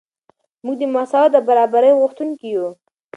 موږ د مساوات او برابرۍ غوښتونکي یو.